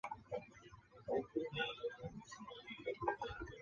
刑满释放后被指定监视居住一年。